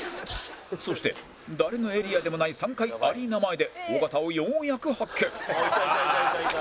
そして誰のエリアでもない３階アリーナ前で尾形をようやく発見